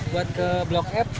buat ke blok f